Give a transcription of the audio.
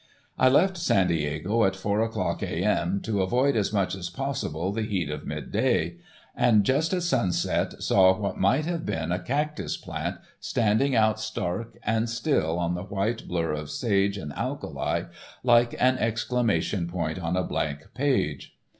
I left San Diego at four o'clock A.M. to avoid as much as possible the heat of mid day, and just at sunset saw what might have been a cactus plant standing out stark and still on the white blur of sage and alkali like an exclamation point on a blank page.